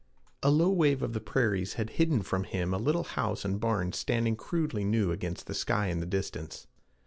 A low wave of the prairies had hidden from him a little house and barn standing crudely new against the sky in the distance.